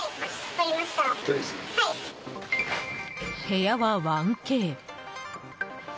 部屋は１Ｋ。